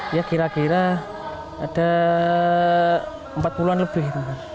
ya kira kira ada empat puluh an lebih